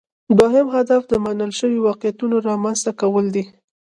دوهم هدف د منل شوي واقعیت رامینځته کول دي